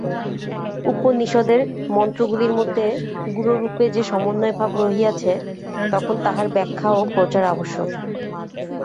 উপনিষদের মন্ত্রগুলির মধ্যে গূঢ়রূপে যে সমন্বয়ভাব রহিয়াছে, এখন তাহার ব্যাখ্যা ও প্রচার আবশ্যক।